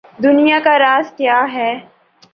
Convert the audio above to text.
دنیا کا راز کیا ہے؟